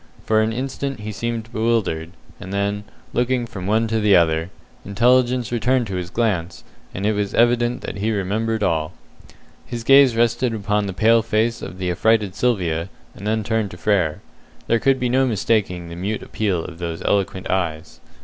For an instant he seemed bewildered, and then, looking from one to the other, intelligence returned to his glance, and it was evident that he remembered all. His gaze rested upon the pale face of the affrighted Sylvia, and then turned to Frere. There could be no mistaking the mute appeal of those eloquent eyes.